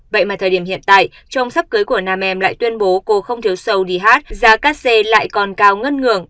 vậy mà thời điểm hiện tại trong sắp cưới của nam em lại tuyên bố cô không thiếu sâu đi hát giá cắt xe lại còn cao ngất ngưỡng